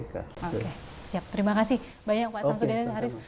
oke siap terima kasih banyak pak samsudin haris